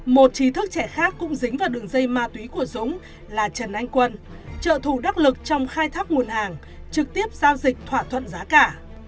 một trí thức trẻ khác cũng dính vào đường dây ma túy của dũng là trần anh quân trợ thủ đắc lực trong khai thác nguồn hàng trực tiếp giao dịch thỏa thuận giá cả